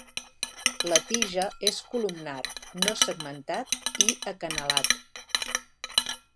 La tija és columnar, no segmentat i acanalat.